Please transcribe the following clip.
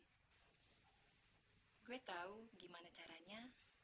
gue tau gimana caranya